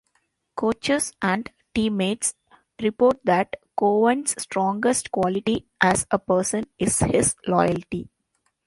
Coaches and teammates report that Cowan's strongest quality as a person, is his loyalty.